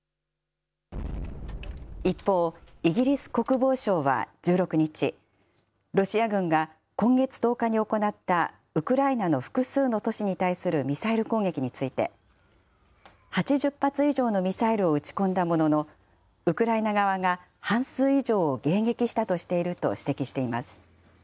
一方、イギリス国防省は１６日、ロシア軍が今月１０日に行ったウクライナの複数の都市に対するミサイル攻撃について、８０発以上のミサイルを撃ち込んだものの、ウクライナ側が半数以上を迎撃したとしていると指摘しています。